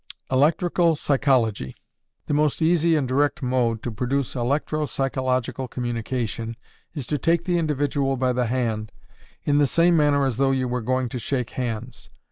Electrical Psychology. The most easy and direct mode to produce electro psychological communication is to take the individual by the hand, in the same manner as though you were going to shake hands.